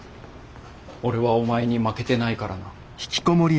俺はお前に負けてないからな。